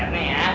eh temennya ya